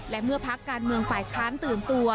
และเมื่อพักการเมืองฝ่ายค้านตื่นตัว